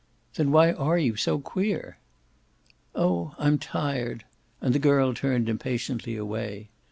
"Then why are you so queer?" "Oh I'm tired!" and the girl turned impatiently away.